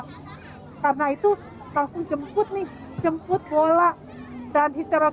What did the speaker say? karena itu langsung jemput nih jemput bola dan histerokal